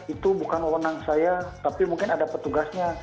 itu bukan wewenang saya tapi mungkin ada petugasnya